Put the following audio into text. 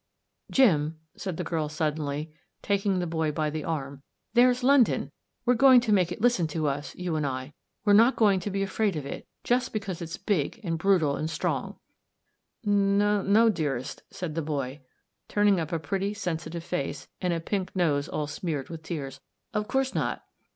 " Jim," said the girl suddenly, taking the boy by the arm, " there's London ! We're going to make it listen to us, you and I. We're not going to be afraid of it — just because it's big, and brutal, and strong." 12 THE 8T0RY OF A MODERN WOMAN. " N — no, dearest," said the boy, turning up a pretty, sensitive face, and a pink nose all smeared with tears. " Of course not."